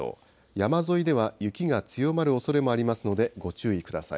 山沿いでは雪が強まるおそれもありますのでご注意ください。